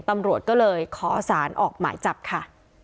ตำรวจก็เลยขอสารออกหมายจับค่ะ